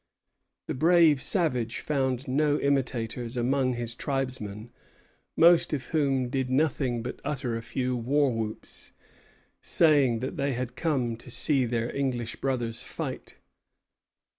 The brave savage found no imitators among his tribesmen, most of whom did nothing but utter a few war whoops, saying that they had come to see their English brothers fight.